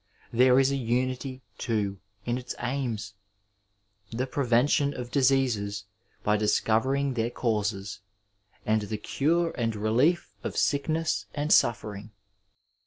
There is a unity, too, in its aims — the prevention of diseases by discovering their causes, and the cure and relief of sickness and suffering.